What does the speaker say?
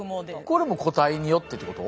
これも個体によってってこと？